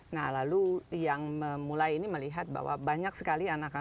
nah lalu yang memulai ini melihat bahwa banyak sekali anak anak